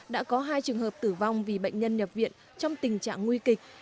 đã có hai trường hợp tử vong vì bệnh nhân nhập viện trong tình trạng nguy kịch